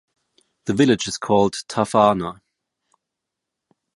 The village is called Tafahna.